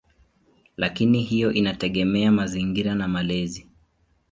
Lakini hiyo inategemea mazingira na malezi.